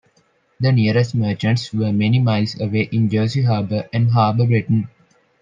The nearest merchants were many miles away in Jersey Harbour and Harbour Breton.